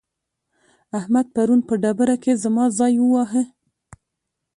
احمد پرون په ډبره کې زما ځای وواهه.